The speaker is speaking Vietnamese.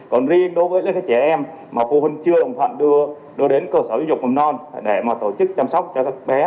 còn riêng đối với các trẻ em mà phụ huynh chưa đồng thoại đưa đến cơ sở giáo dục mầm non để tổ chức chăm sóc cho các bé